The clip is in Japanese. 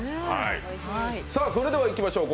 それではいきましょう